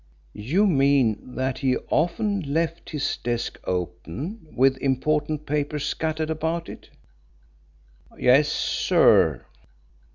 "You mean that he often left his desk open with important papers scattered about it?" "Yes, sir."